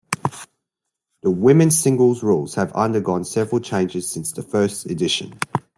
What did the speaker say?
The women's singles rules have undergone several changes since the first edition.